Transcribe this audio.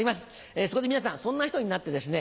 そこで皆さんそんな人になってですね